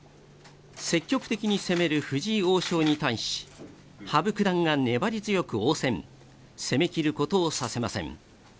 積極的に攻める藤井王将に対し、羽生九段が粘り強く応戦、攻めきることをさせません。